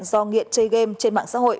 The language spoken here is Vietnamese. do nghiện chơi game trên mạng xã hội